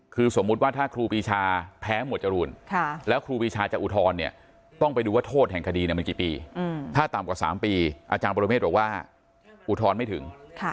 คือสมมุติว่าถ้าครูปีชาแพ้หมวดจรูนแล้วครูปีชาจะอุทธรณ์เนี่ยต้องไปดูว่าโทษแห่งคดีมันกี่ปีถ้าต่ำกว่า๓ปีอาจารย์ปรเมฆบอกว่าอุทธรณ์ไม่ถึง